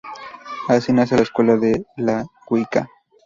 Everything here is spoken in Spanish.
Así nace la Escuela de la Wicca.